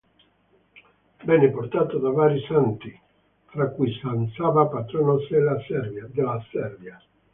Venne portato da vari santi, fra cui san Saba, patrono della Serbia.